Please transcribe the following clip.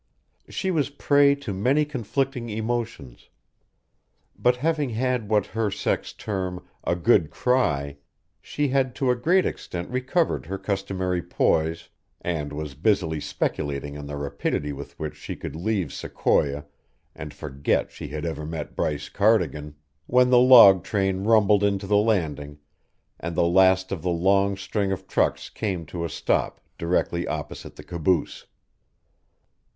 She was prey to many conflicting emotions; but having had what her sex term "a good cry," she had to a great extent recovered her customary poise and was busily speculating on the rapidity with which she could leave Sequoia and forget she had ever met Bryce Cardigan when the log train rumbled into the landing and the last of the long string of trucks came to a stop directly opposite the caboose.